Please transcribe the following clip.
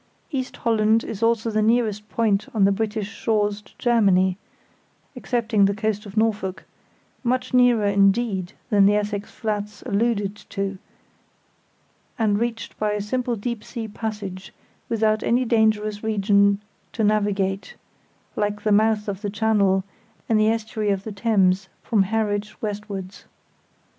East Holland is also the nearest point on the British shores to Germany, excepting the coast of Norfolk; much nearer, indeed, than the Essex flats alluded to, and reached by a simple deep sea passage, without any dangerous region to navigate, like the mouth of the Channel and the estuary of the Thames from Harwich westwards.